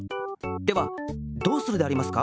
ではどうするでありますか？